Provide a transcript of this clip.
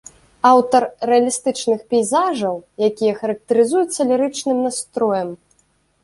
Аўтар рэалістычных пейзажаў, якія характарызуюцца лірычным настроем.